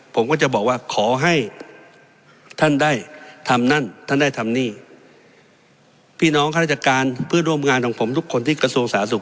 ผมก็จะบอกว่าขอให้ท่านได้ทำนั่นท่านได้ทำนี่พี่น้องข้าราชการเพื่อนร่วมงานของผมทุกคนที่กระทรวงสาธารสุข